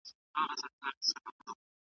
زه به کتابونه ليکلي وي؟!